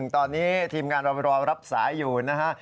ตอนนี้ทีมงานเรารอรับสายอยู่นะฮะ